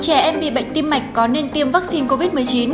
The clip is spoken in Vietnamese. trẻ em bị bệnh tim mạch có nên tiêm vaccine covid một mươi chín